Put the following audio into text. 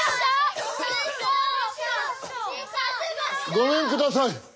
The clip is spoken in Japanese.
・ごめんください！